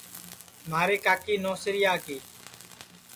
مہاری کاکی نوسریا کی